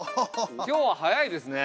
今日は早いですね。